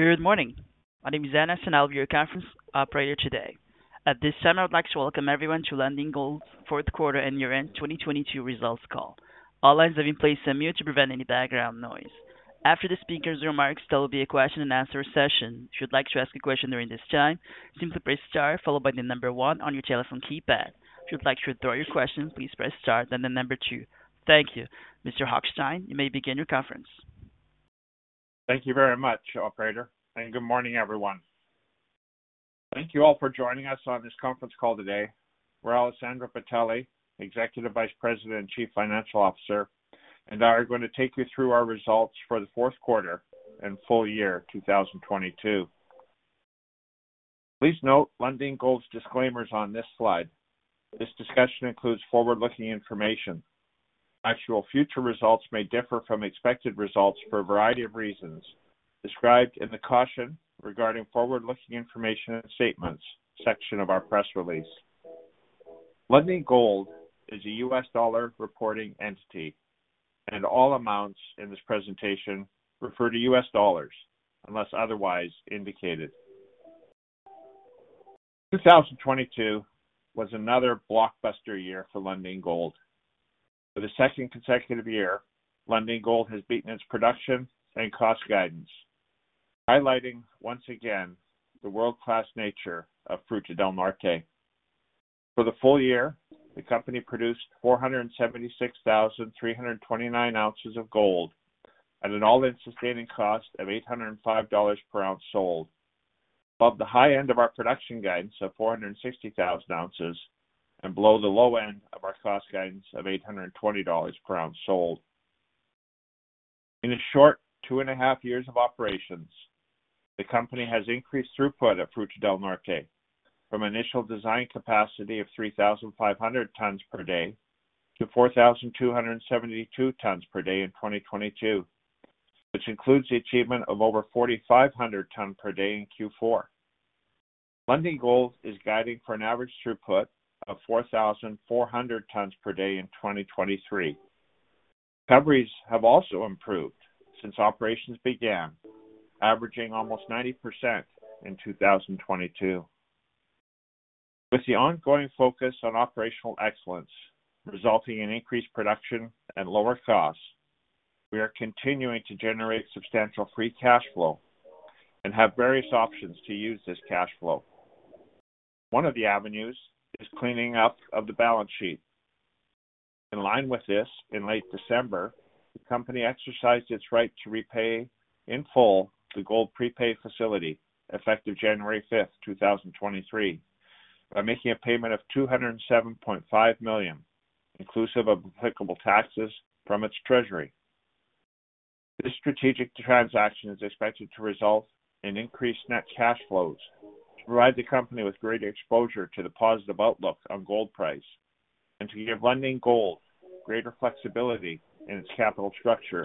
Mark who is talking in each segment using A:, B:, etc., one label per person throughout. A: Good morning. My name is Anna, and I'll be your conference operator today. At this time, I would like to welcome everyone to Lundin Gold's Q4 and year-end 2022 results call. All lines have been placed on mute to prevent any background noise. After the speaker's remarks, there will be a question and answer session. If you'd like to ask a question during this time, simply press star followed by 1 on your telephone keypad. If you'd like to withdraw your question, please press star then 2. Thank you. Mr. Hochstein, you may begin your conference.
B: Thank you very much, operator, and good morning, everyone. Thank you all for joining us on this conference call today, where Alessandro Bazzoni, Executive Vice President and Chief Financial Officer, and I are going to take you through our results for the Q4 and full year 2022. Please note Lundin Gold's disclaimers on this slide. This discussion includes forward-looking information. Actual future results may differ from expected results for a variety of reasons described in the Caution Regarding Forward-Looking Information and Statements section of our press release. Lundin Gold is a U.S. dollar reporting entity, and all amounts in this presentation refer to U.S. dollars unless otherwise indicated. 2022 was another blockbuster year for Lundin Gold. For the second consecutive year, Lundin Gold has beaten its production and cost guidance, highlighting once again the world-class nature of Fruta del Norte. For the full year, the company produced 476,329 ounces of gold at an All-In Sustaining Cost of $805 per ounce sold, above the high end of our production guidance of 460,000 ounces and below the low end of our cost guidance of $820 per ounce sold. In a short two and a half years of operations, the company has increased throughput at Fruta del Norte from initial design capacity of 3,500 tons per day to 4,272 tons per day in 2022, which includes the achievement of over 4,500 ton per day in Q4. Lundin Gold is guiding for an average throughput of 4,400 tons per day in 2023. Recoveries have also improved since operations began, averaging almost 90% in 2022. With the ongoing focus on operational excellence resulting in increased production and lower costs, we are continuing to generate substantial free cash flow and have various options to use this cash flow. One of the avenues is cleaning up of the balance sheet. In line with this, in late December, the company exercised its right to repay in full the Gold Prepay Facility effective January 5, 2023 by making a payment of $207.5 million, inclusive of applicable taxes from its treasury. This strategic transaction is expected to result in increased net cash flows to provide the company with greater exposure to the positive outlook on gold price and to give Lundin Gold greater flexibility in its capital structure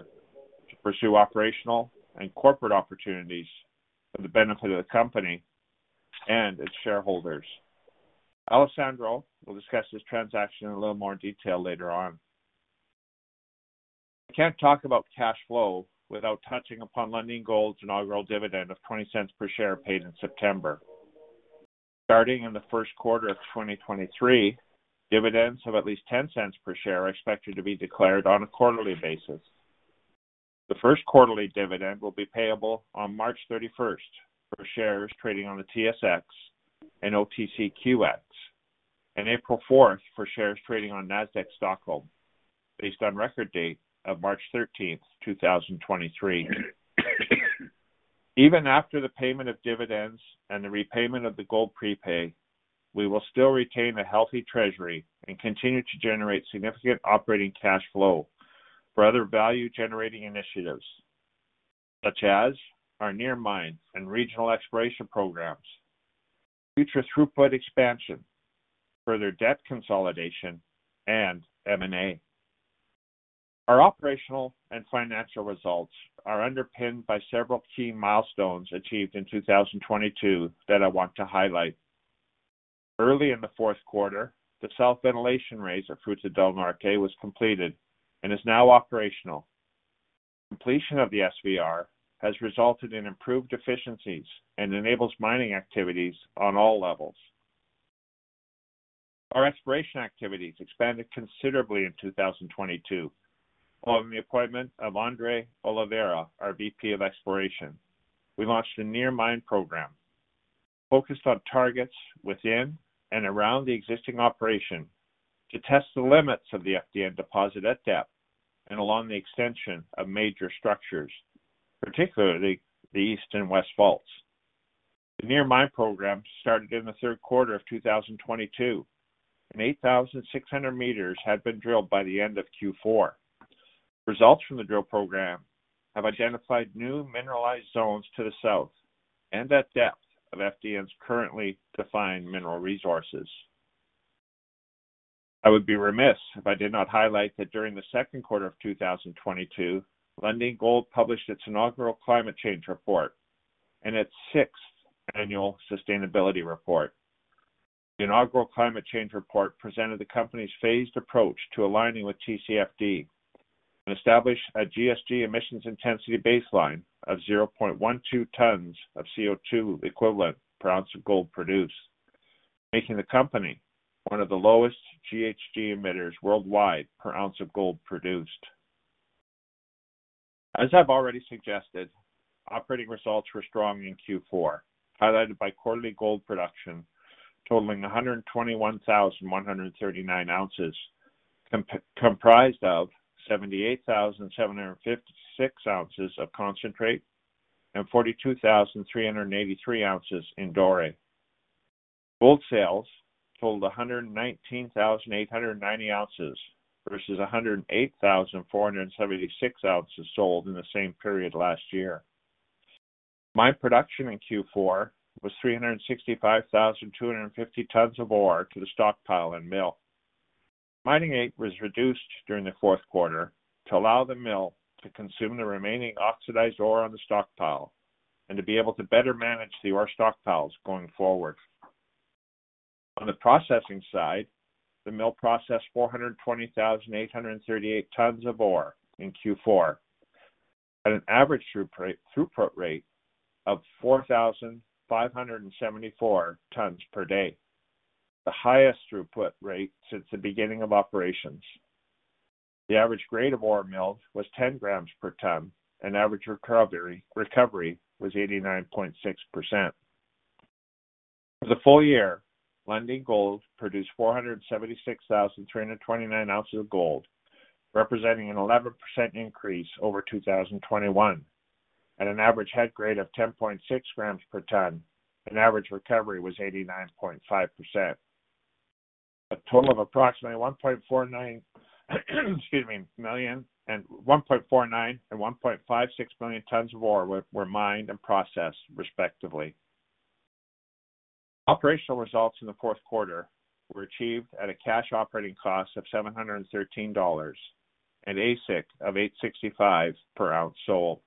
B: to pursue operational and corporate opportunities for the benefit of the company and its shareholders. Alessandro will discuss this transaction in a little more detail later on. I can't talk about cash flow without touching upon Lundin Gold's inaugural dividend of $0.20 per share paid in September. Starting in the Q1 of 2023, dividends of at least $0.10 per share are expected to be declared on a quarterly basis. The Q1ly dividend will be payable on March 31st for shares trading on the TSX and OTCQX, and April 4th for shares trading on Nasdaq Stockholm, based on record date of March 13th, 2023. Even after the payment of dividends and the repayment of the Gold Prepay, we will still retain a healthy treasury and continue to generate significant operating cash flow for other value-generating initiatives, such as our near mine and regional exploration programs, future throughput expansion, further debt consolidation, and M&A. Our operational and financial results are underpinned by several key milestones achieved in 2022 that I want to highlight. Early in the Q4, the south ventilation raise at Fruta del Norte was completed and is now operational. Completion of the SVR has resulted in improved efficiencies and enables mining activities on all levels. Our exploration activities expanded considerably in 2022. Following the appointment of Andre Oliveira, our VP of Exploration, we launched a near mine program focused on targets within and around the existing operation to test the limits of the FDN deposit at depth and along the extension of major structures, particularly the East and West Faults. The near mine program started in the Q3 of 2022, 8,600 meters had been drilled by the end of Q4. Results from the drill program have identified new mineralized zones to the south and at depth of FDN's currently defined mineral resources. I would be remiss if I did not highlight that during the Q2 of 2022, Lundin Gold published its inaugural climate change report and its sixth annual sustainability report. The inaugural climate change report presented the company's phased approach to aligning with TCFD and established a GHG emissions intensity baseline of 0.12 tons of CO₂ equivalent per ounce of gold produced, making the company one of the lowest GHG emitters worldwide per ounce of gold produced. As I've already suggested, operating results were strong in Q4, highlighted by quarterly gold production totaling 121,139 ounces, comprised of 78,756 ounces of concentrate and 42,383 ounces in doré. Gold sales sold 119,890 ounces versus 108,476 ounces sold in the same period last year. Mine production in Q4 was 365,250 tons of ore to the stockpile and mill. Mining rate was reduced during the Q4 to allow the mill to consume the remaining oxidized ore on the stockpile and to be able to better manage the ore stockpiles going forward. On the processing side, the mill processed 420,838 tons of ore in Q4 at an average throughput rate of 4,574 tons per day, the highest throughput rate since the beginning of operations. The average grade of ore milled was 10 grams per ton. Average recovery was 89.6%. For the full year, Lundin Gold produced 476,329 ounces of gold, representing an 11% increase over 2021 at an average head grade of 10.6 grams per ton and average recovery was 89.5%. A total of approximately excuse me, 1.49 and 1.56 million tons of ore were mined and processed, respectively. Operational results in the Q4 were achieved at a cash operating cost of $713, an AISC of $865 per ounce sold.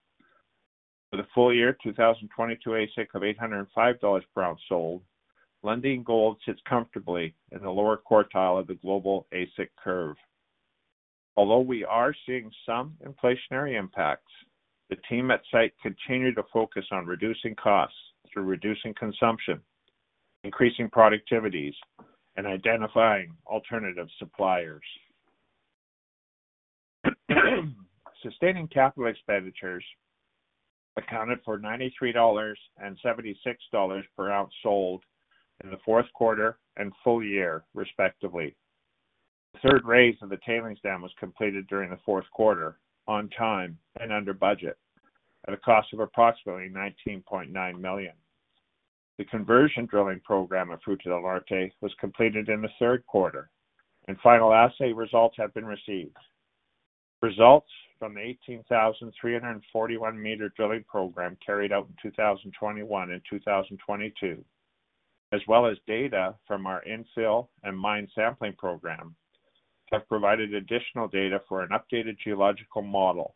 B: For the full year 2022 AISC of $805 per ounce sold, Lundin Gold sits comfortably in the lower quartile of the global AISC curve. Although we are seeing some inflationary impacts, the team at site continue to focus on reducing costs through reducing consumption, increasing productivities, and identifying alternative suppliers. Sustaining capital expenditures accounted for $93 and $76 per ounce sold in the Q4 and full year, respectively. The third raise of the tailings dam was completed during the Q4 on time and under budget at a cost of approximately $19.9 million. The conversion drilling program of Fruta del Norte was completed in the Q3, and final assay results have been received. Results from the 18,341 meter drilling program carried out in 2021 and 2022, as well as data from our infill and mine sampling program, have provided additional data for an updated geological model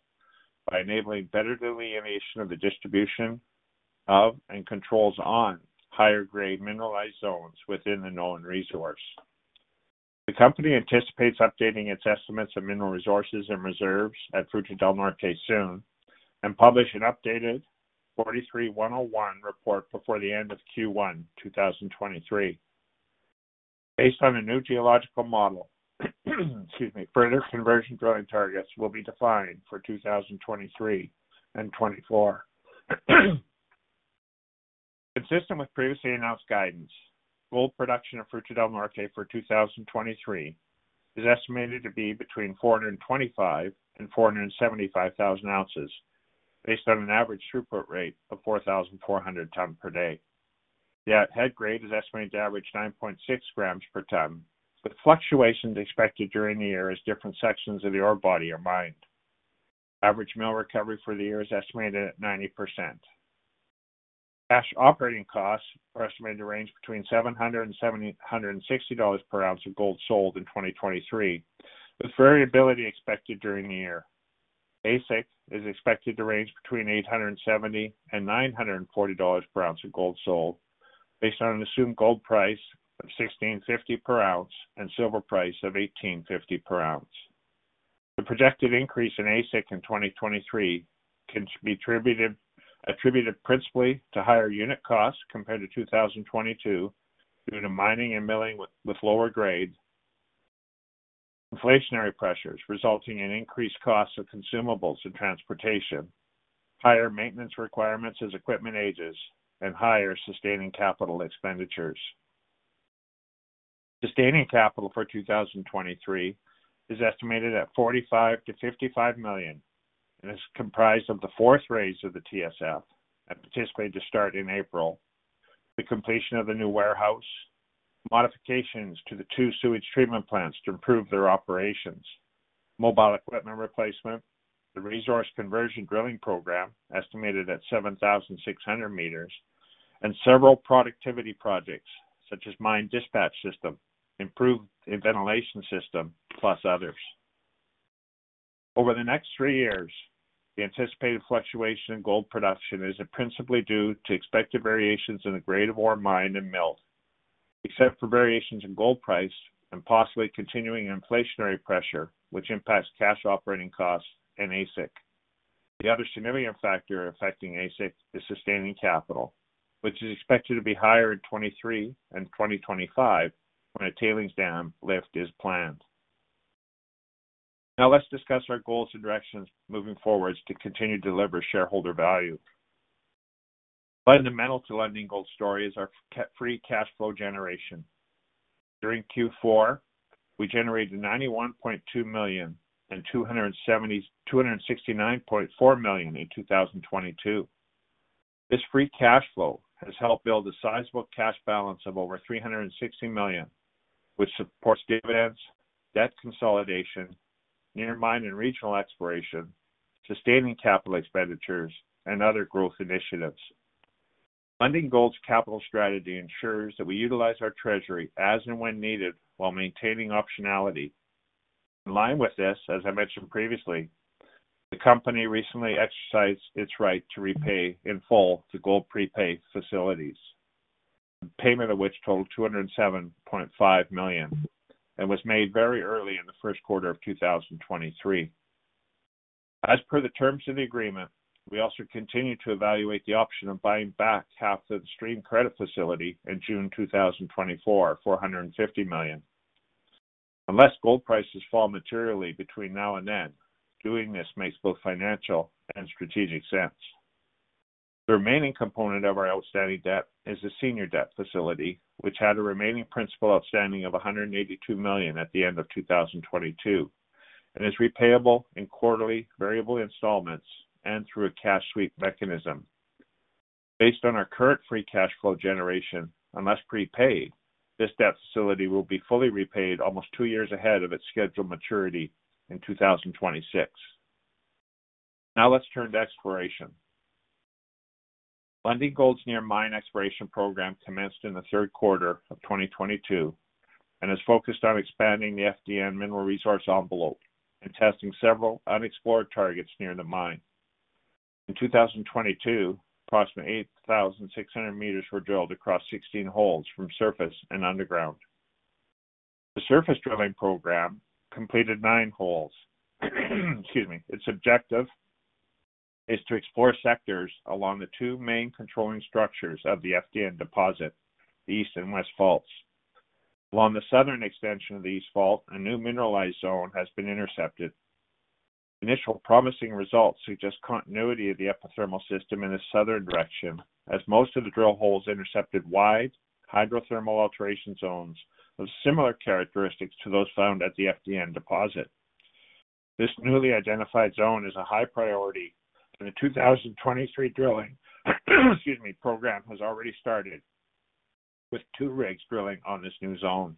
B: by enabling better delineation of the distribution of and controls on higher grade mineralized zones within the known resource. The company anticipates updating its estimates of mineral resources and reserves at Fruta del Norte soon and publish an updated 43-101 report before the end of Q1 2023. Based on a new geological model, excuse me, further conversion drilling targets will be defined for 2023 and 2024. Consistent with previously announced guidance, gold production of Fruta del Norte for 2023 is estimated to be between 425,000 and 475,000 ounces based on an average throughput rate of 4,400 tons per day. The head grade is estimated to average 9.6 grams per ton, with fluctuations expected during the year as different sections of the ore body are mined. Average mill recovery for the year is estimated at 90%. Cash operating costs are estimated to range between $700 and $760 per ounce of gold sold in 2023, with variability expected during the year. AISC is expected to range between $870 and $940 per ounce of gold sold based on an assumed gold price of $1,650 per ounce and silver price of $18.50 per ounce. The projected increase in AISC in 2023 can be attributed principally to higher unit costs compared to 2022 due to mining and milling with lower grades, inflationary pressures resulting in increased costs of consumables and transportation, higher maintenance requirements as equipment ages, and higher sustaining capital expenditures. Sustaining capital for 2023 is estimated at $45 million-$55 million and is comprised of the fourth raise of the TSF, anticipated to start in April, the completion of the new warehouse, modifications to the two sewage treatment plants to improve their operations, mobile equipment replacement, the resource conversion drilling program estimated at 7,600 meters, and several productivity projects such as mine dispatch system, improved ventilation system, plus others. Over the next three years, the anticipated fluctuation in gold production is principally due to expected variations in the grade of ore mined and milled, except for variations in gold price and possibly continuing inflationary pressure, which impacts cash operating costs and AISC. The other significant factor affecting AISC is sustaining capital, which is expected to be higher in 2023 and 2025 when a tailings dam lift is planned. Let's discuss our goals and directions moving forward to continue to deliver shareholder value. Fundamental to Lundin Gold's story is our free cash flow generation. During Q4, we generated $91.2 million and $269.4 million in 2022. This free cash flow has helped build a sizable cash balance of over $360 million, which supports dividends, debt consolidation, near mine and regional exploration, sustaining capital expenditures and other growth initiatives. Lundin Gold's capital strategy ensures that we utilize our treasury as and when needed while maintaining optionality. In line with this, as I mentioned previously, the company recently exercised its right to repay in full the Gold Prepay facilities, payment of which totaled $207.5 million and was made very early in the Q1 of 2023. As per the terms of the agreement, we also continue to evaluate the option of buying back half of the stream credit facility in June 2024 for $150 million. Unless gold prices fall materially between now and then, doing this makes both financial and strategic sense. The remaining component of our outstanding debt is the senior debt facility, which had a remaining principal outstanding of $182 million at the end of 2022, and is repayable in quarterly variable installments and through a cash sweep mechanism. Based on our current free cash flow generation, unless prepaid, this debt facility will be fully repaid almost two years ahead of its scheduled maturity in 2026. Let's turn to exploration. Lundin Gold's near mine exploration program commenced in the Q3 of 2022 and is focused on expanding the FDN mineral resource envelope and testing several unexplored targets near the mine. In 2022, approximately 8,600 meters were drilled across 16 holes from surface and underground. The surface drilling program completed 9 holes. Excuse me. Its objective is to explore sectors along the two main controlling structures of the FDN deposit, the East and West Faults. Along the southern extension of the East Fault, a new mineralized zone has been intercepted. Initial promising results suggest continuity of the epithermal system in a southern direction, as most of the drill holes intercepted wide hydrothermal alteration zones with similar characteristics to those found at the FDN deposit. This newly identified zone is a high priority. The 2023 drilling, excuse me, program has already started with 2 rigs drilling on this new zone.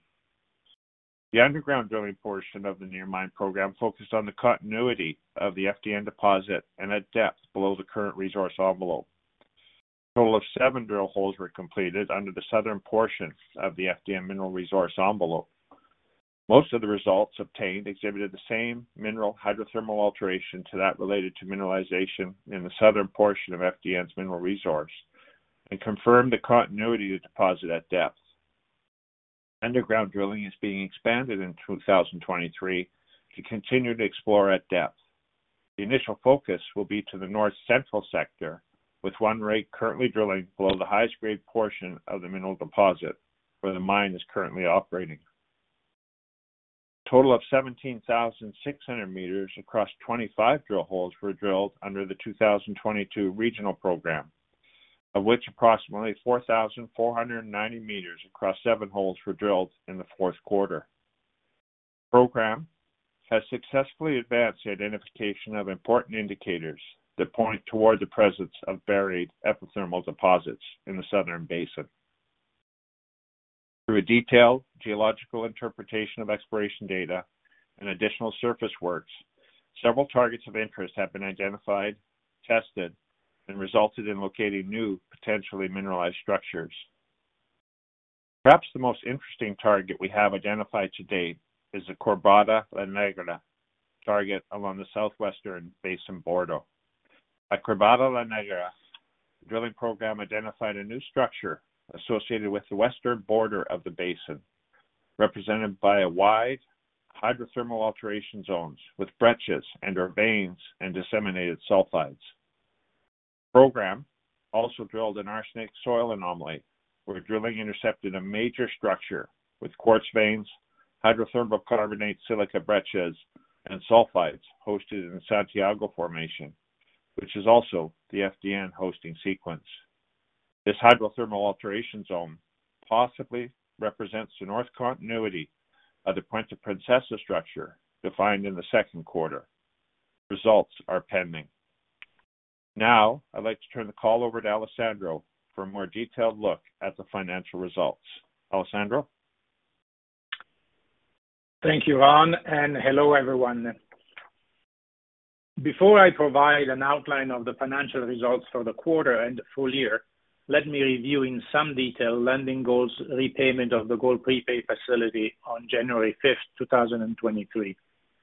B: The underground drilling portion of the near mine program focused on the continuity of the FDN deposit and at depth below the current resource envelope. A total of 7 drill holes were completed under the southern portion of the FDN mineral resource envelope. Most of the results obtained exhibited the same mineral hydrothermal alteration to that related to mineralization in the southern portion of FDN's mineral resource and confirmed the continuity of deposit at depth. Underground drilling is being expanded in 2023 to continue to explore at depth. The initial focus will be to the north central sector, with 1 rig currently drilling below the highest grade portion of the mineral deposit where the mine is currently operating. A total of 17,600 meters across 25 drill holes were drilled under the 2022 regional program, of which approximately 4,490 meters across seven holes were drilled in the Q4. The program has successfully advanced the identification of important indicators that point toward the presence of buried epithermal deposits in the southern basin. Through a detailed geological interpretation of exploration data and additional surface works, several targets of interest have been identified, tested, and resulted in locating new potentially mineralized structures. Perhaps the most interesting target we have identified to date is the Quebrada La Negra target along the southwestern basin border. At Quebrada La Negra, the drilling program identified a new structure associated with the western border of the basin, represented by a wide hydrothermal alteration zones with breccias and/or veins and disseminated sulfides. The program also drilled an arsenic soil anomaly, where drilling intercepted a major structure with quartz veins, hydrothermal carbonate-silica breccias, and sulfides hosted in Santiago Formation, which is also the FDN hosting sequence. This hydrothermal alteration zone possibly represents the north continuity of the Puente Princesa structure defined in the Q2. Results are pending. Now, I'd like to turn the call over to Alessandro for a more detailed look at the financial results. Alessandro?
C: Thank you, Ron. Hello, everyone. Before I provide an outline of the financial results for the quarter and the full year, let me review in some detail, Lundin Gold's repayment of the Gold Prepay Facility on January fifth, 2023.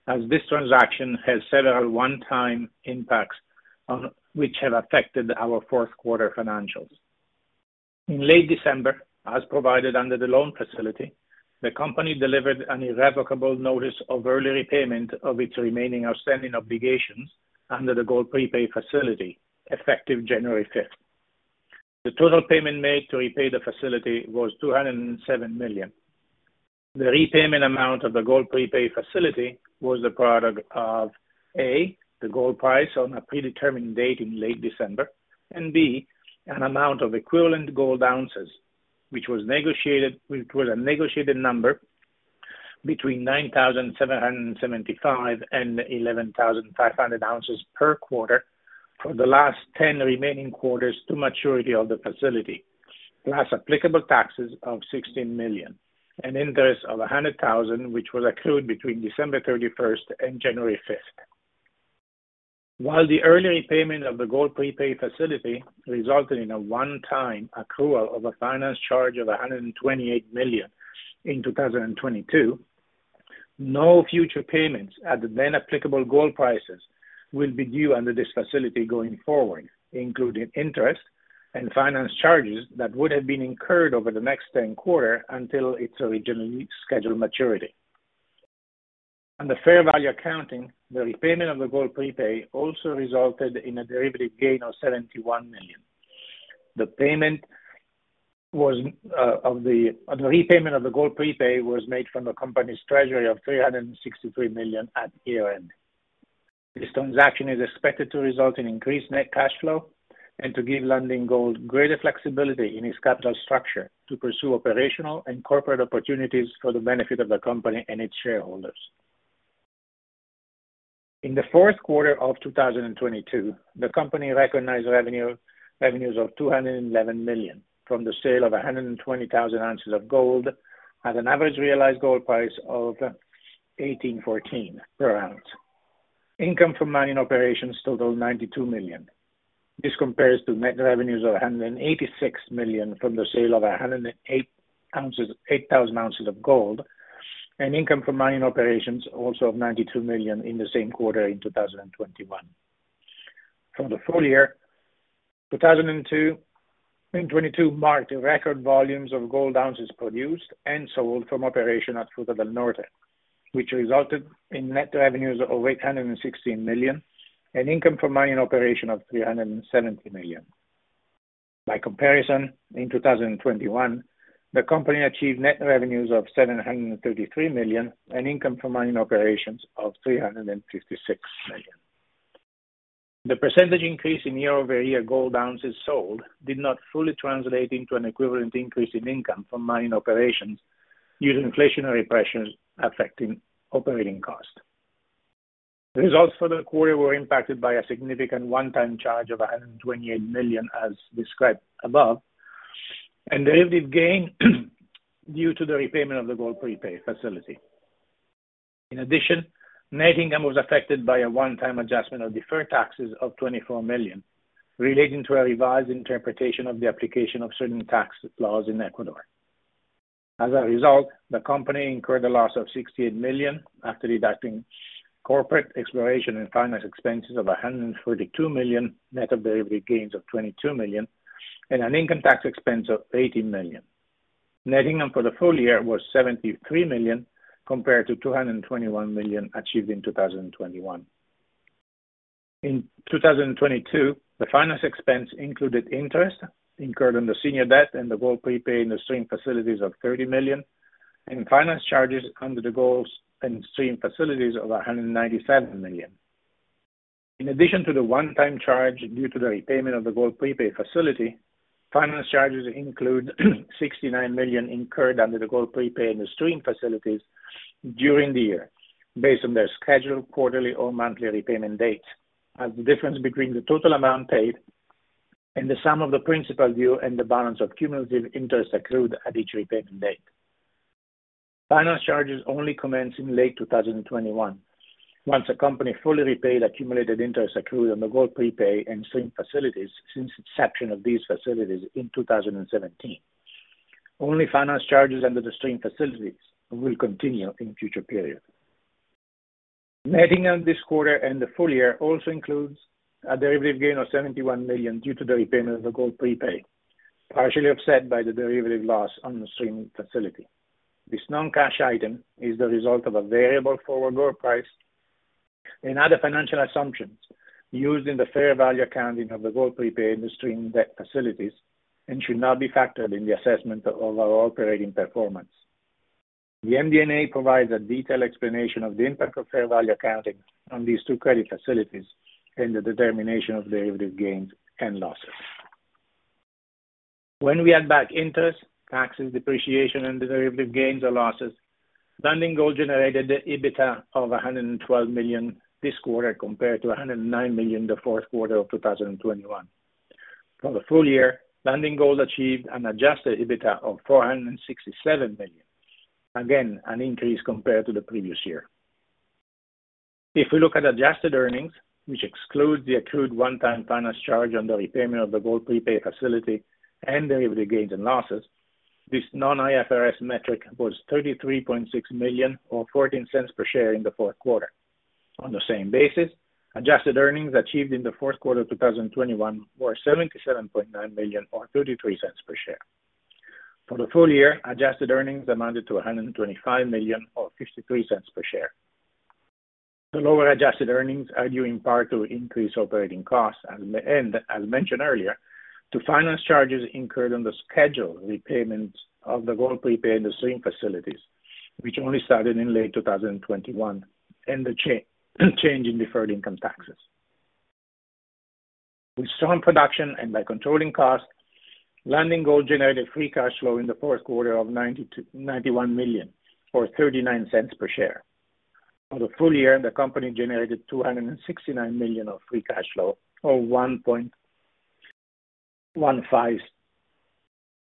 C: As this transaction has several one-time impacts on which have affected our Q4 financials. In late December, as provided under the loan facility, the company delivered an irrevocable notice of early repayment of its remaining outstanding obligations under the Gold Prepay Facility, effective January fifth. The total payment made to repay the facility was $207 million. The repayment amount of the Gold Prepay Facility was the product of A, the gold price on a predetermined date in late December, and B, an amount of equivalent gold ounces, which was a negotiated number between 9,775 and 11,500 ounces per quarter for the last 10 remaining quarters to maturity of the facility, plus applicable taxes of $16 million and interest of $100,000, which was accrued between December 31st and January 5th. While the early repayment of the Gold Prepay Facility resulted in a one-time accrual of a finance charge of $128 million in 2022, no future payments at the then applicable gold prices will be due under this facility going forward, including interest and finance charges that would have been incurred over the next 10 quarter until its originally scheduled maturity. Under fair value accounting, the repayment of the Gold Prepay also resulted in a derivative gain of $71 million. The repayment of the Gold Prepay was made from the company's treasury of $363 million at year-end. This transaction is expected to result in increased net cash flow and to give Lundin Gold greater flexibility in its capital structure to pursue operational and corporate opportunities for the benefit of the company and its shareholders. In the Q4 of 2022, the company recognized revenues of $211 million from the sale of 120,000 ounces of gold at an average realized gold price of $1,814 per ounce. Income from mining operations totaled $92 million. This compares to net revenues of $186 million from the sale of 108,000 ounces of gold, and income from mining operations also of $92 million in the same quarter in 2021. From the full year, 2022 marked record volumes of gold ounces produced and sold from operation at Fruta del Norte, which resulted in net revenues of $816 million and income from mining operation of $370 million. By comparison, in 2021, the company achieved net revenues of $733 million and income from mining operations of $356 million. The percentage increase in Quarter-over-quarter gold ounces sold did not fully translate into an equivalent increase in income from mining operations due to inflationary pressures affecting operating costs. The results for the quarter were impacted by a significant one-time charge of $128 million, as described above, and derivative gain due to the repayment of the Gold Prepay Facility. In addition, net income was affected by a one-time adjustment of deferred taxes of $24 million relating to a revised interpretation of the application of certain tax laws in Ecuador. As a result, the company incurred a loss of $68 million after deducting corporate exploration and finance expenses of $142 million, net of derivative gains of $22 million, and an income tax expense of $18 million. Net income for the full year was $73 million, compared to $221 million achieved in 2021. In 2022, the finance expense included interest incurred on the senior debt and the Gold Prepay and the Stream facilities of $30 million, and finance charges under the Gold and Stream facilities of $197 million. In addition to the one-time charge due to the repayment of the Gold Prepay Facility, finance charges include $69 million incurred under the Gold Prepay and the Stream Facilities during the year based on their scheduled quarterly or monthly repayment dates as the difference between the total amount paid and the sum of the principal due and the balance of cumulative interest accrued at each repayment date. Finance charges only commenced in late 2021, once the company fully repaid accumulated interest accrued on the Gold Prepay and Stream Facilities since inception of these facilities in 2017. Only finance charges under the Stream Facilities will continue in future periods. Net income this quarter and the full year also includes a derivative gain of $71 million due to the repayment of the Gold Prepay, partially offset by the derivative loss on the Stream Facility. This non-cash item is the result of a variable forward gold price and other financial assumptions used in the fair value accounting of the Gold Prepay and the stream debt facilities and should not be factored in the assessment of our operating performance. The MD&A provides a detailed explanation of the impact of fair value accounting on these two credit facilities and the determination of derivative gains and losses. Lundin Gold generated the EBITDA of $112 million this quarter compared to $109 million the Q4 of 2021. For the full year, Lundin Gold achieved an adjusted EBITDA of $467 million. Again, an increase compared to the previous year. If we look at adjusted earnings, which excludes the accrued one-time finance charge on the repayment of the Gold Prepay Facility and the gains and losses, this non-IFRS metric was $33.6 million or $0.14 per share in the Q4. On the same basis, adjusted earnings achieved in the Q4 2021 were $77.9 million or $0.33 per share. For the full year, adjusted earnings amounted to $125 million or $0.53 per share. The lower adjusted earnings are due in part to increased operating costs and, as mentioned earlier, to finance charges incurred on the scheduled repayments of the gold prepay and the stream facilities, which only started in late 2021, and the change in deferred income taxes. With strong production and by controlling costs, Lundin Gold generated free cash flow in the Q4 of $91 million or $0.39 per share. For the full year, the company generated $269 million of free cash flow or $1.15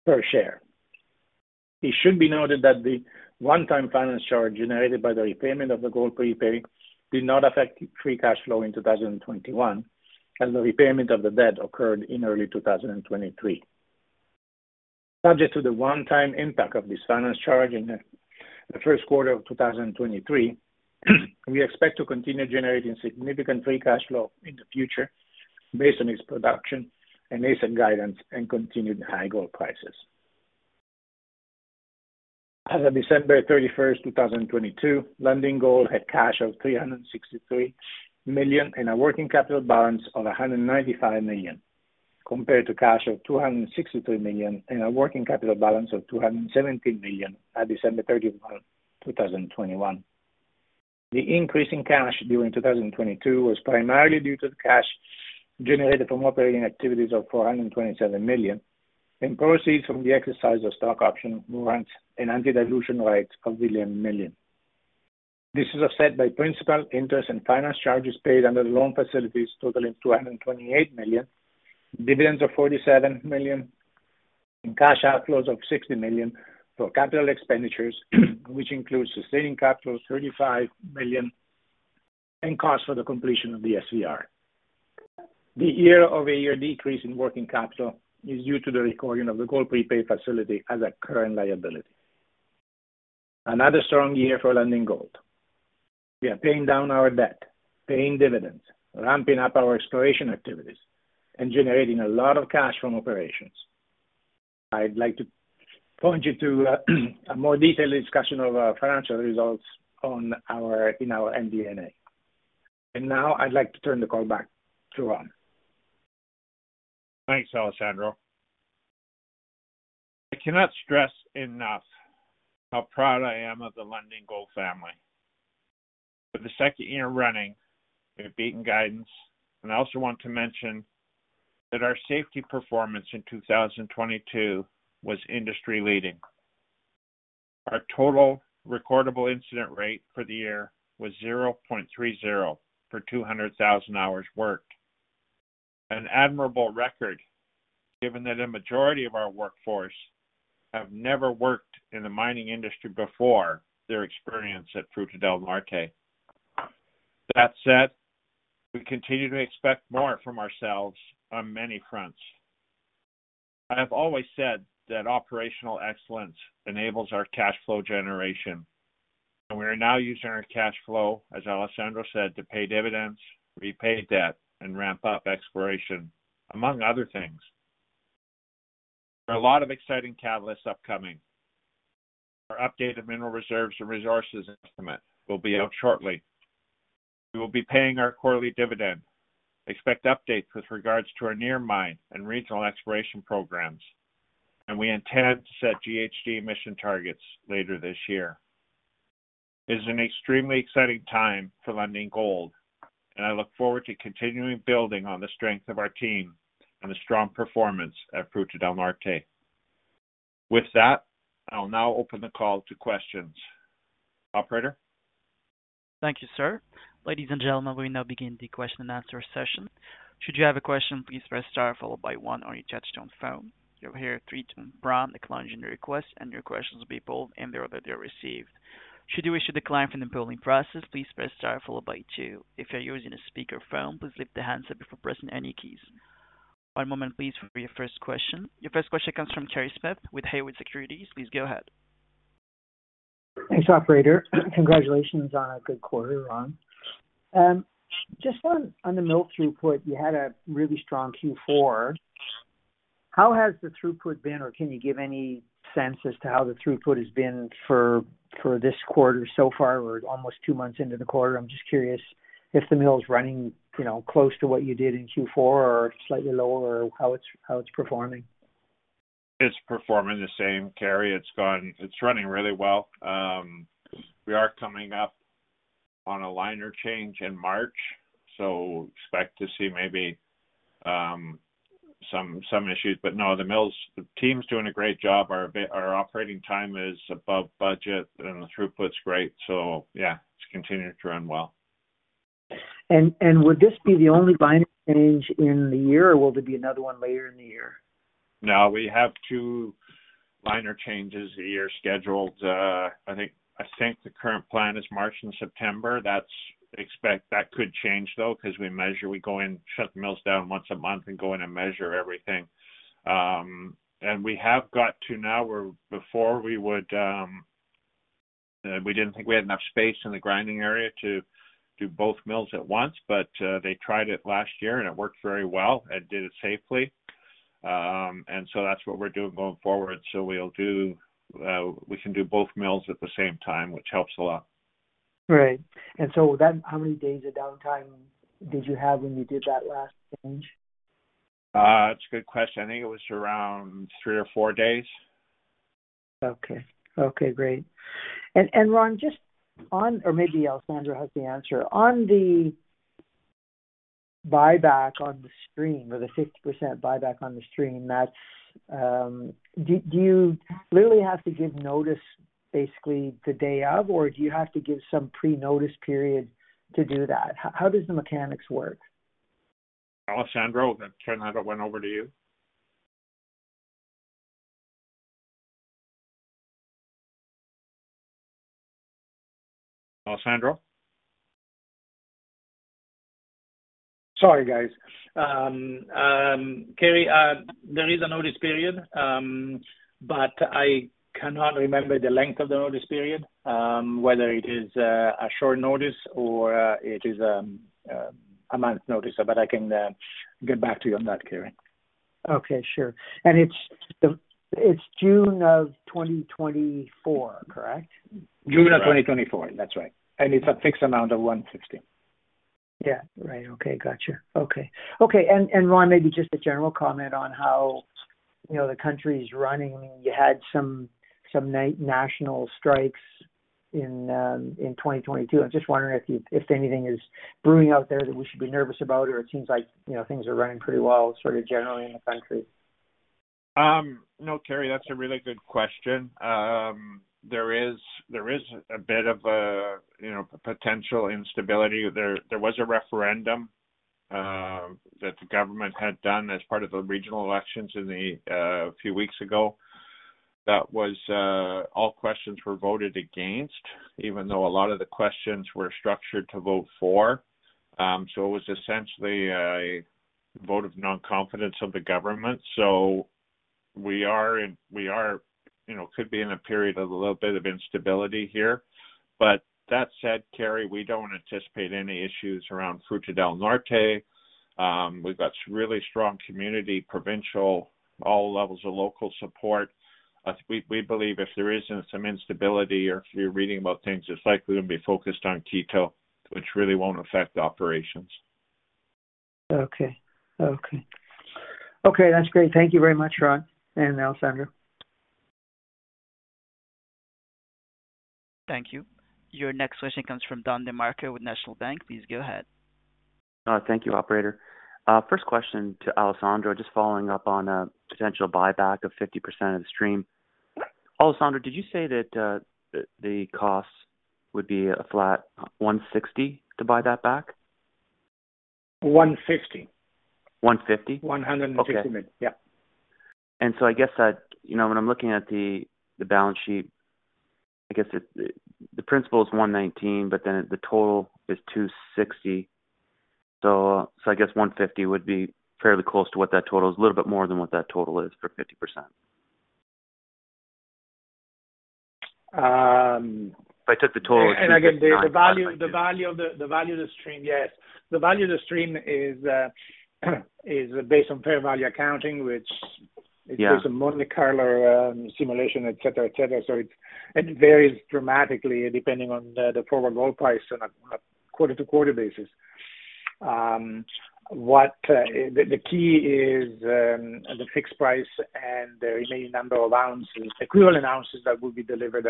C: per share. It should be noted that the one-time finance charge generated by the repayment of the Gold Prepay did not affect free cash flow in 2021, as the repayment of the debt occurred in early 2023. Subject to the one-time impact of this finance charge in the Q1 of 2023, we expect to continue generating significant free cash flow in the future based on its production and AISC guidance and continued high gold prices. As of December 31, 2022, Lundin Gold had cash of $363 million and a working capital balance of $195 million, compared to cash of $263 million and a working capital balance of $217 million at December 31, 2021. The increase in cash during 2022 was primarily due to the cash generated from operating activities of $427 million and proceeds from the exercise of stock option grants and anti-dilution rights of billion million. This is offset by principal interest and finance charges paid under the loan facilities totaling $228 million, dividends of $47 million, and cash outflows of $60 million for capital expenditures, which includes sustaining capital of $35 million and cost for the completion of the SVR. The Quarter-over-quarter decrease in working capital is due to the recording of the Gold Prepay Facility as a current liability. Another strong year for Lundin Gold. We are paying down our debt, paying dividends, ramping up our exploration activities, and generating a lot of cash from operations. I'd like to point you to a more detailed discussion of our financial results in our MD&A. Now I'd like to turn the call back to Ron.
B: Thanks, Alessandro. I cannot stress enough how proud I am of the Lundin Gold family. For the second year running, we have beaten guidance. I also want to mention that our safety performance in 2022 was industry-leading. Our total recordable incident rate for the year was 0.30 for 200,000 hours worked. An admirable record, given that a majority of our workforce have never worked in the mining industry before their experience at Fruta del Norte. That said, we continue to expect more from ourselves on many fronts. I have always said that operational excellence enables our cash flow generation, and we are now using our cash flow, as Alessandro said, to pay dividends, repay debt, and ramp up exploration, among other things. There are a lot of exciting catalysts upcoming. Our updated mineral reserves and resources estimate will be out shortly. We will be paying our quarterly dividend. Expect updates with regards to our near mine and regional exploration programs. We intend to set GHG emission targets later this year. It is an extremely exciting time for Lundin Gold. I look forward to continuing building on the strength of our team and the strong performance at Fruta del Norte. With that, I'll now open the call to questions. Operator?
A: Thank you, sir. Ladies and gentlemen, we now begin the question and answer session. Should you have a question, please press star followed by 1 on your touch tone phone. You'll hear a three-tone prompt acknowledging the request, and your questions will be pulled in the order they are received. Should you wish to decline from the polling process, please press star followed by 2. If you're using a speakerphone, please lift the handset before pressing any keys. One moment please for your first question. Your first question comes from Kerry Smith with Haywood Securities. Please go ahead.
D: Thanks, operator. Congratulations on a good quarter, Ron. Just on the mill throughput, you had a really strong Q4. How has the throughput been? Can you give any sense as to how the throughput has been for this quarter so far? We're almost two months into the quarter. I'm just curious if the mill is running, you know, close to what you did in Q4 or slightly lower or how it's performing.
B: It's performing the same, Kerry. It's running really well. We are coming up on a liner change in March, so expect to see maybe, some issues. No, the mills team's doing a great job. Our operating time is above budget and the throughput's great. Yeah, it's continuing to run well.
D: Would this be the only liner change in the year or will there be another one later in the year?
B: No, we have two liner changes a year scheduled. I think the current plan is March and September. That could change though, because we measure. We go and shut the mills down once a month and go in and measure everything. We have got to now where before we would, we didn't think we had enough space in the grinding area to do both mills at once, but they tried it last year and it worked very well and did it safely. That's what we're doing going forward. We can do both mills at the same time, which helps a lot.
D: Right. With that, how many days of downtime did you have when you did that last change?
B: It's a good question. I think it was around 3 or 4 days.
D: Okay. Okay, great. Ron, just on or maybe Alessandro has the answer. On the buyback on the stream, or the 50% buyback on the stream, that, do you literally have to give notice basically the day of, or do you have to give some pre-notice period to do that? How does the mechanics work?
B: Alessandro, I'm going to turn that one over to you. Alessandro?
C: Sorry, guys. Kerry, there is a notice period, but I cannot remember the length of the notice period, whether it is a short notice or it is a month notice. I can get back to you on that, Kerry.
D: Okay, sure. it's June of 2024, correct?
C: June of 2024. That's right. It's a fixed amount of $160.
D: Yeah. Right. Okay. Gotcha. Okay. Okay. Ron, maybe just a general comment on how, you know, the country is running. You had some national strikes in 2022. I'm just wondering if anything is brewing out there that we should be nervous about or it seems like, you know, things are running pretty well, sort of generally in the country.
B: No, Kerry, that's a really good question. There is a bit of a, you know, potential instability there. There was a referendum that the government had done as part of the regional elections in the few weeks ago. That was all questions were voted against, even though a lot of the questions were structured to vote for. It was essentially a vote of non-confidence of the government. We are, you know, could be in a period of a little bit of instability here. That said, Kerry, we don't anticipate any issues around Fruta del Norte. We've got really strong community, provincial, all levels of local support. We believe if there is some instability or if you're reading about things, it's likely going to be focused on Quito, which really won't affect operations.
D: Okay. Okay. Okay, that's great. Thank you very much, Ron and Alessandro.
A: Thank you. Your next question comes from Don DeMarco with National Bank. Please go ahead.
E: Thank you, operator. First question to Alessandro, just following up on a potential buyback of 50% of the stream. Alessandro, did you say that the costs would be a flat $160 to buy that back?
C: $150.
E: 150?
C: $150 million.
E: Okay.
C: Yeah.
E: I guess that, you know, when I'm looking at the balance sheet, I guess the principal is $119, but then the total is $260. So I guess $150 would be fairly close to what that total is, a little bit more than what that total is for 50%.
C: Um-
E: If I took the.
C: Again, the value of the stream, yes. The value of the stream is based on fair value accounting, which includes-
E: Yeah.
C: A Monte Carlo simulation, et cetera. It varies dramatically depending on the forward gold price on a quarter-to-quarter basis. What the key is, the fixed price and the remaining number of ounces, equivalent ounces that will be delivered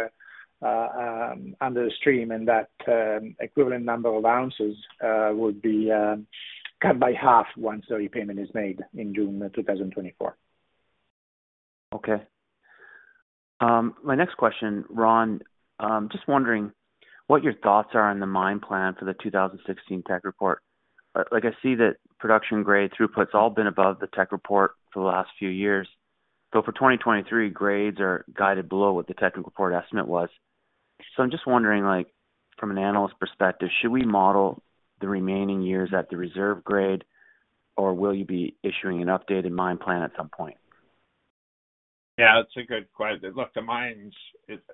C: under the stream. That equivalent number of ounces would be cut by half once the repayment is made in June 2024.
E: Okay. My next question, Ron, just wondering what your thoughts are on the mine plan for the 2016 tech report. I see that production grade throughput's all been above the tech report for the last few years. For 2023, grades are guided below what the technical report estimate was. I'm just wondering, from an analyst perspective, should we model the remaining years at the reserve grade, or will you be issuing an updated mine plan at some point?
B: Yeah, it's a good question. Look, the mines,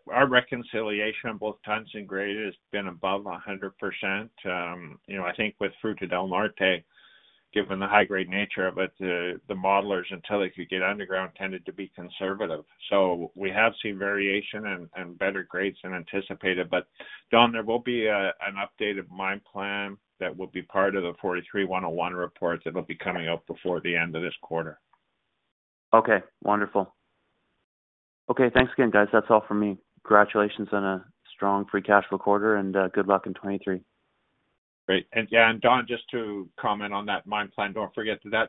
B: our reconciliation of both tons and grade has been above 100%. you know, I think with Fruta del Norte, given the high grade nature of it, the modelers, until if you get underground, tended to be conservative. We have seen variation and better grades than anticipated. Don, there will be a, an updated mine plan that will be part of the 43-101 report that will be coming out before the end of this quarter.
E: Okay, wonderful. Okay, thanks again, guys. That's all from me. Congratulations on a strong free cash flow quarter and good luck in 2023.
B: Great. Yeah, Don DeMarco, just to comment on that mine plan, don't forget that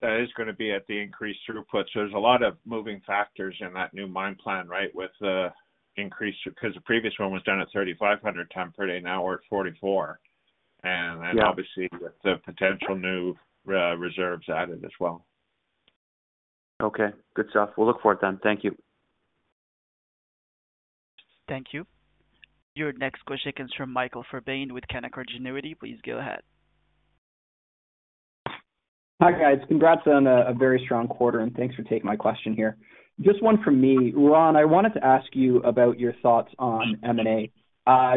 B: That is gonna be at the increased throughput. There's a lot of moving factors in that new mine plan, right, with the increase, 'cause the previous one was done at 3,500 ton per day, now we're at 4,400.
E: Yeah.
B: obviously with the potential new re-reserves added as well.
E: Okay, good stuff. We'll look for it then. Thank you.
A: Thank you. Your next question comes from Michael Fairbairn with Canaccord Genuity. Please go ahead.
F: Hi, guys. Congrats on a very strong quarter, thanks for taking my question here. Just one from me. Ron, I wanted to ask you about your thoughts on M&A.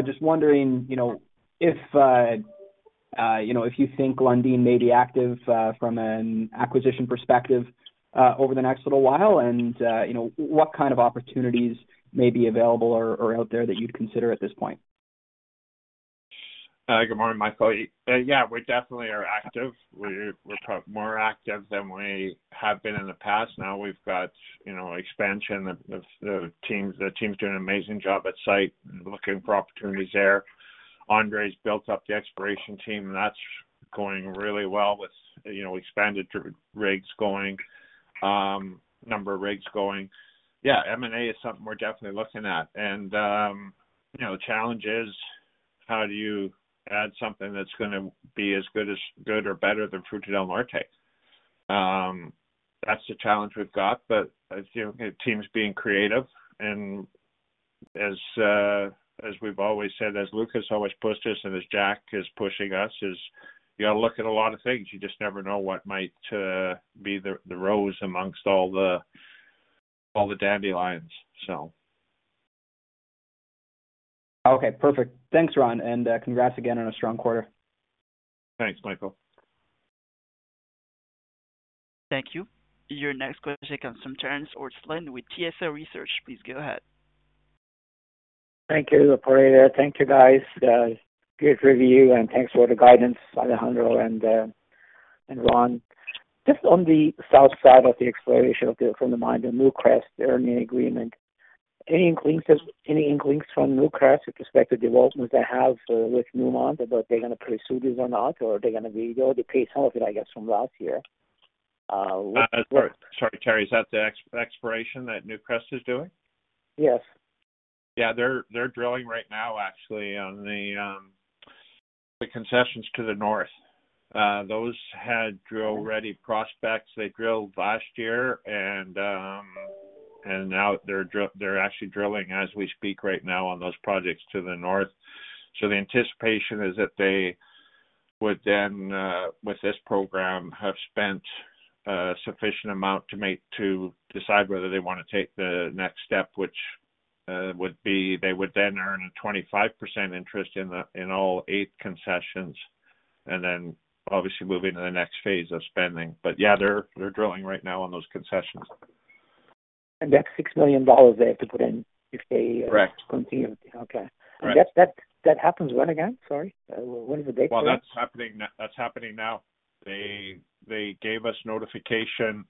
F: Just wondering, you know, if, you know, if you think Lundin may be active from an acquisition perspective over the next little while and, you know, what kind of opportunities may be available or out there that you'd consider at this point?
B: Good morning, Michael. Yeah, we definitely are active. We're more active than we have been in the past. Now we've got, you know, expansion of the teams. The team's doing an amazing job at site and looking for opportunities there. Andre's built up the exploration team, that's going really well with, you know, expanded rigs going, number of rigs going. Yeah, M&A is something we're definitely looking at. You know, the challenge is how do you add something that's gonna be as good or better than Fruta del Norte? That's the challenge we've got. As, you know, the team's being creative, and as we've always said, as Lukas always pushed us and as Jack is pushing us is you gotta look at a lot of things. You just never know what might be the rose amongst all the dandelions.
F: Okay, perfect. Thanks, Ron, and congrats again on a strong quarter.
B: Thanks, Michael.
A: Thank you. Your next question comes from Terence Ortslan with TSL Research. Please go ahead.
G: Thank you, operator. Thank you, guys. Good review, and thanks for the guidance, Alessandro and Ron. Just on the south side of the exploration of the, from the mine, the Newcrest earning agreement. Any inklings from Newcrest with respect to developments they have with Newmont about they're gonna pursue this or not, or are they gonna be? They already paid some of it, I guess, from last year.
B: Sorry, Terry. Is that the exploration that Newcrest is doing?
G: Yes.
B: Yeah. They're, they're drilling right now actually on the concessions to the north. Those had drill-ready prospects. They drilled last year and now they're actually drilling as we speak right now on those projects to the north. The anticipation is that they would then, with this program, have spent a sufficient amount to make to decide whether they wanna take the next step, which would be they would then earn a 25% interest in the, in all eight concessions, and then obviously moving to the next phase of spending. Yeah, they're drilling right now on those concessions.
G: that's $6 million they have to put in if they-
B: Correct.
G: continue with the current plan.
B: Right.
G: That happens when again? Sorry. What is the date for it?
B: That's happening now. They gave us notification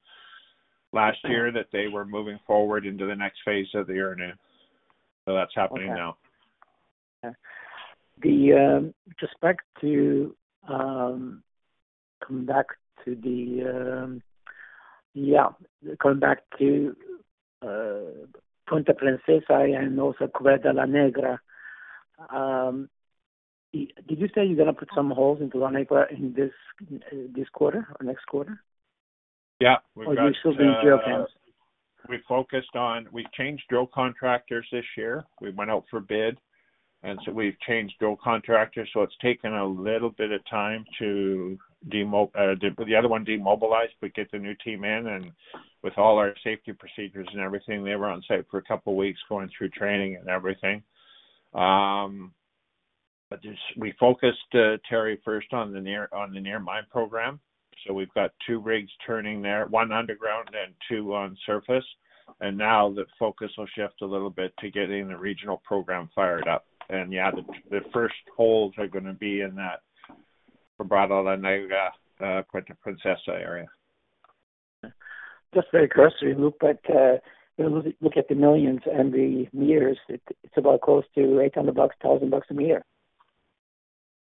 B: last year that they were moving forward into the next phase of the earn-in. That's happening now.
G: Okay. Yeah. Going back to Puente Princesa and also Quebrada La Negra. Did you say you're gonna put some holes into La Negra in this quarter or next quarter?
B: Yeah. We've got.
G: You're still doing drill counts?
B: We changed drill contractors this year. We went out for bid, we've changed drill contractors, so it's taken a little bit of time to the other one demobilize, but get the new team in. With all our safety procedures and everything, they were on site for a couple weeks going through training and everything. We focused, Terry, first on the near, on the near mine program. We've got one rigs turning there, one underground and two on surface. The focus will shift a little bit to getting the regional program fired up. Yeah, the first holes are gonna be in that Quebrada La Negra, Puente Princesa area.
G: Just very cursory look, but, you know, look at the millions and the years, it's about close to $800 thousand a meter.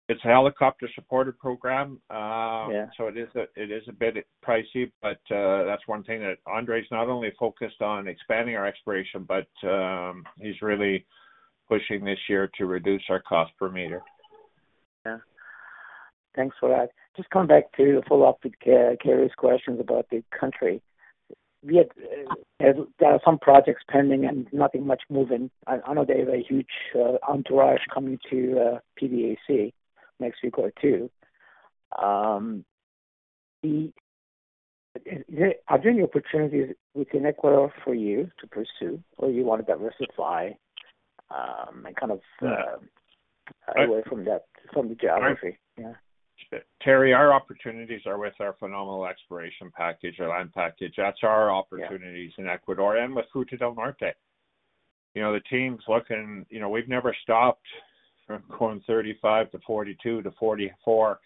B: It's a helicopter-supported program.
G: Yeah.
B: It is a bit pricey, but, that's one thing that Andre's not only focused on expanding our exploration, but, he's really pushing this year to reduce our cost per meter.
G: Yeah. Thanks for that. Just coming back to follow up with Kerry's questions about the country. We had, there are some projects pending and nothing much moving. I know they have a huge entourage coming to PDAC next week or two. Are there any opportunities within Ecuador for you to pursue or you want to diversify?
B: Uh-
G: away from that, from the geography? Yeah.
B: Terry, our opportunities are with our phenomenal exploration package, our land package. That's our opportunities.
G: Yeah.
B: In Ecuador and with Fruta del Norte. You know, we've never stopped from going 35 to 42 to 44.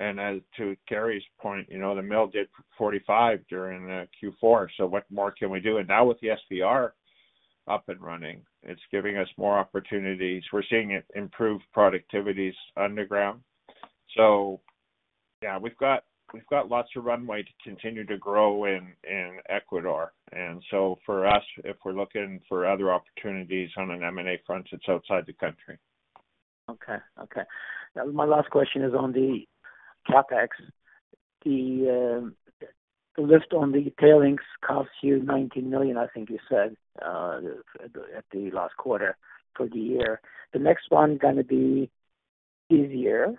B: As to Kerry's point, you know, the mill did 45 during Q4. What more can we do? Now with the SVR up and running. It's giving us more opportunities. We're seeing it improve productivities underground. Yeah, we've got lots of runway to continue to grow in Ecuador. For us, if we're looking for other opportunities on an M&A front, it's outside the country.
G: Okay. My last question is on the CapEx. The list on the tailings cost you $19 million, I think you said, at the last quarter for the year. The next one gonna be easier,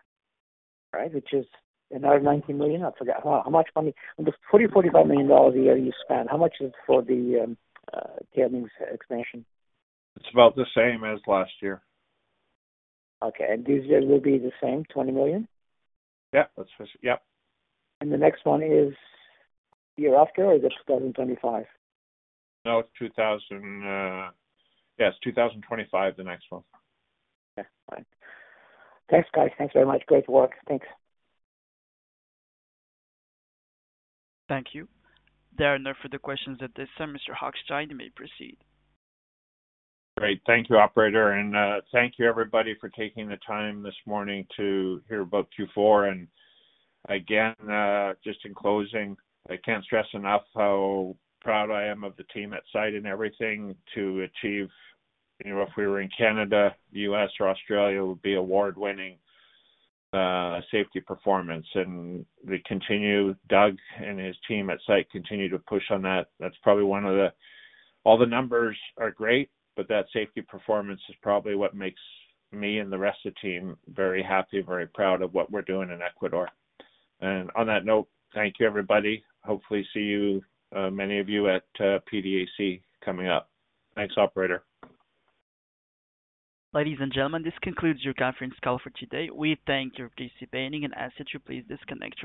G: right, which is another $19 million. I forget how much money. The $40 million-$45 million a year you spend, how much is for the tailings expansion?
B: It's about the same as last year.
G: Okay. This year will be the same, $20 million?
B: Yeah. Let's just... Yeah.
G: The next one is the year after or just 2025?
B: No, 2025. Yes, 2025, the next one.
G: Yeah. Right. Thanks, guys. Thanks very much. Great work. Thanks.
A: Thank you. There are no further questions at this time. Mr. Hochstein, you may proceed.
B: Great. Thank you, operator, and thank you everybody for taking the time this morning to hear about Q4. Again, just in closing, I can't stress enough how proud I am of the team at site and everything to achieve. You know, if we were in Canada, U.S., or Australia, it would be award-winning safety performance. We continue. Doug and his team at site continue to push on that. All the numbers are great, but that safety performance is probably what makes me and the rest of the team very happy, very proud of what we're doing in Ecuador. On that note, thank you everybody. Hopefully see you, many of you at PDAC coming up. Thanks, operator.
A: Ladies and gentlemen, this concludes your conference call for today. We thank you for participating and ask that you please disconnect your-